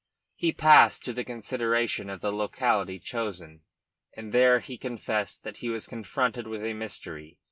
He passed to the consideration of the locality chosen, and there he confessed that he was confronted with a mystery.